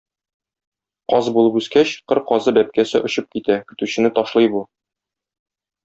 Каз булып үскәч, кыр казы бәбкәсе очып китә, көтүчене ташлый бу.